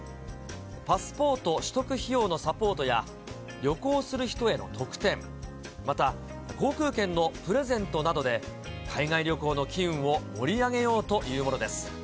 パスポート取得費用のサポートや、旅行する人への特典、また、航空券のプレゼントなどで、海外旅行の機運を盛り上げようというものです。